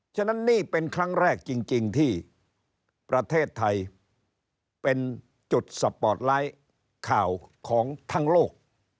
ฉะนั้นนี่เป็นครั้งแรกจริงที่ประเทศไทยเป็นจุดสปอร์ตไลท์ข่าวของทั้งโลก